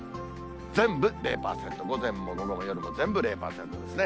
全部０％、午前も午後も夜も全部０％ですね。